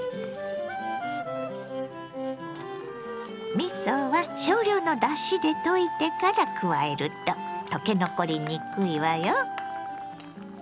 みそは少量のだしで溶いてから加えると溶け残りにくいわよ。